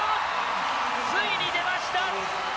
ついに出ました。